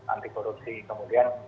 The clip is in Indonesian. anti korupsi kemudian